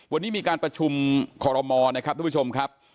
วันนี้มีการประชุมคอรมอนะครับทุกผู้ชมครับ